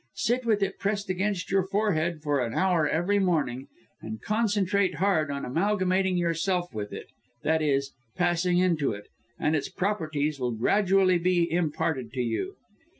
Sit with it pressed against your forehead for an hour every morning, and concentrate hard on amalgamating yourself with it i.e. passing into it, and its properties will gradually be imparted to you.